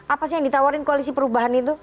apa sih yang ditawarin koalisi perubahan itu